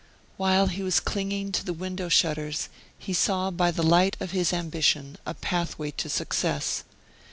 While he was clinging to the window shutters he saw by the light of his ambition a pathway to success.